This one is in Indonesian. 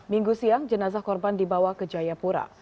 minggu siang jenazah korban dibawa ke jayapura